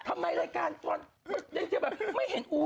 ทำไมรายการจอดยังจะแบบไม่เห็นอุ้ย